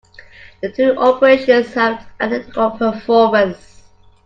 The two operations have an identical performance.